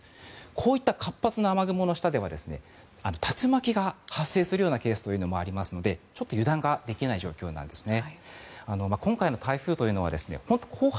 こういった活発な雨雲の下では竜巻が発生するようなケースというのもありますのでちょっと油断ができない状況なんですね。